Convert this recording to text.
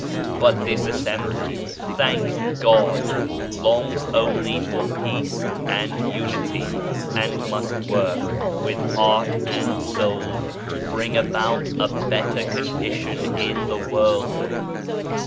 But this assembly, thank God, longs only for peace and unity, and must work with heart and soul t'o bring about a better condition in the world.